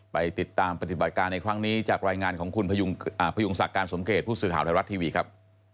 ไปติดตามปฏิบัติการในครั้งนี้จากรายงานของคุณพยุงศักดิ์การสมเกตผู้สื่อข่าวไทยรัฐทีวีครับ